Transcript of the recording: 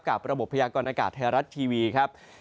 ระบบพยากรณากาศไทยรัฐทีวีครับ